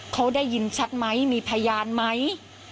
เขาได้ยินชัดไหมมีพยานไหม